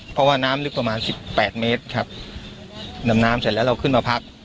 เพราะว่าน้ำลึกประมาณสิบแปดเมตรครับดำน้ำเสร็จแล้วเราขึ้นมาพัก